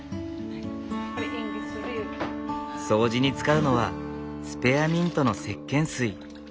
掃除に使うのはスペアミントのせっけん水。